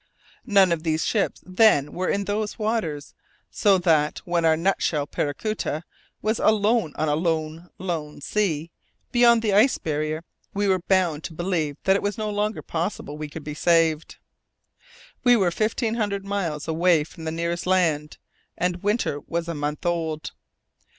None of these ships, then, were in those waters; so that, when our nutshell Paracuta was "alone on a lone, lone sea" beyond the ice barrier, we were bound to believe that it was no longer possible we could be saved. We were fifteen hundred miles away from the nearest land, and winter was a month old!